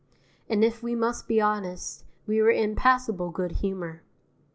And if we must be honest, we were in passable good humour.